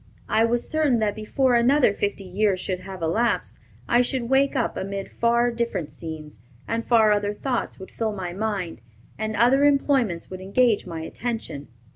I was certain that before another fifty years should have elapsed, I should wake up amid far different scenes, and far other thoughts would fill my mind, and other employments would engage my attention.